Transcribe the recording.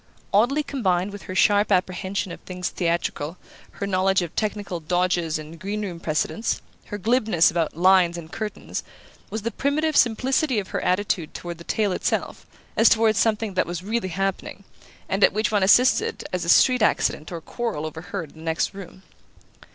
Oddly combined with her sharp apprehension of things theatrical, her knowledge of technical "dodges" and green room precedents, her glibness about "lines" and "curtains", was the primitive simplicity of her attitude toward the tale itself, as toward something that was "really happening" and at which one assisted as at a street accident or a quarrel overheard in the next room.